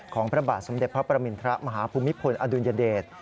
พระบาทสมเด็จพระประมินทรมาฮภูมิพลอดุลยเดช